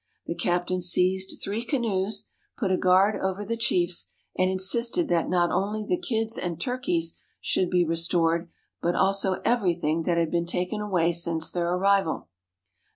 The captain seized three canoes, put a guard over the chiefs, and insisted that not only the kids and turkeys should be restored, but also everything that had been taken away since their arrival.